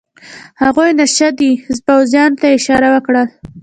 هغوی نشه دي، پوځیانو ته یې اشاره وکړل.